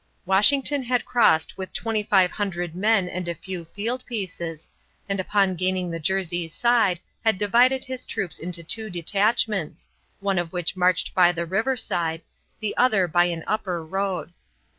Washington had crossed with 2500 men and a few field pieces, and upon gaining the Jersey side had divided his troops into two detachments, one of which marched by the river side, the other by an upper road.